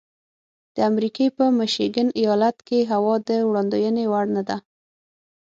د امریکې په میشیګن ایالت کې هوا د وړاندوینې وړ نه ده.